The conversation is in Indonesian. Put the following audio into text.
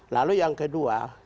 lalu yang kedua